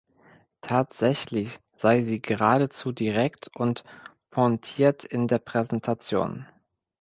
Tatsächlich sei sie geradezu direkt und pointiert in der Präsentation.